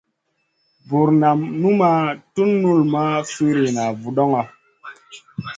Bur nam numaʼ tun null ma firina vudoŋo.